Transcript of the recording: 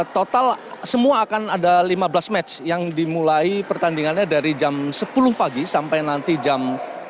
total semua akan ada lima belas match yang dimulai pertandingannya dari jam sepuluh pagi sampai nanti jam